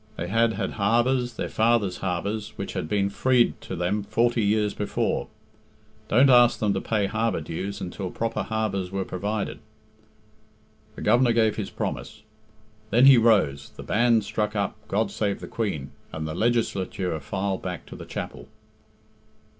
They had had harbours, their fathers' harbours, which had been freed to them forty years before; don't ask them to pay harbour dues until proper harbours were provided: The Governor gave his promise. Then he rose, the band struck up "God save the Queen," and the Legislature filed back to the chapel.